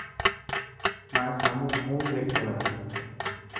مائي سامون ڪوڻ بيٺو هي.